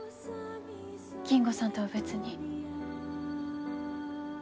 金吾さんとは別に。